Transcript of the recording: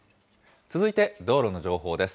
続いて、道路の情報です。